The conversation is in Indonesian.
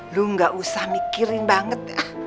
lu gak usah mikirin banget ya